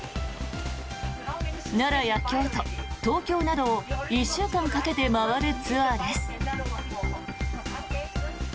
奈良や京都、東京などを１週間かけて回るツアーです。